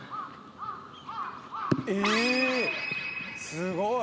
すごい！